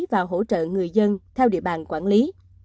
và hỗ trợ người dân theo địa bàn quản lý